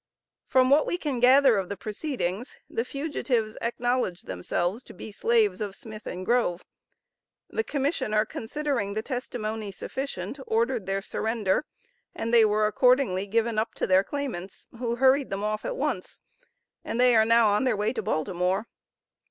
From what we can gather of the proceedings, the fugitives acknowledged themselves to be slaves of Smith and Grove. The commissioner considering the testimony sufficient, ordered their surrender, and they were accordingly given up to their claimants, who hurried them off at once, and they are now on their way to Baltimore.